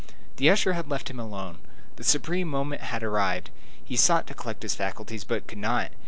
The usher had left him alone. The supreme moment had arrived. He sought to collect his faculties, but could not.